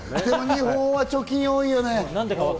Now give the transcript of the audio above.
日本は貯金が多いよね。